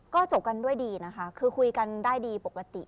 ก็จบกันด้วยดีนะคะคือคุยกันได้ดีปกติ